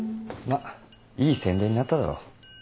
まぁいい宣伝になっただろう。